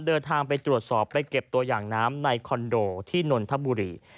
เดินทางไปตรวจสอบไปเก็บตัวอย่างน้ำในคอนโดที่นนทบุรี